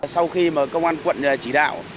sau khi công an quận chỉ đạo